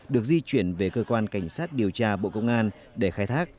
được di chuyển về cơ quan cảnh sát điều tra bộ công an để khai thác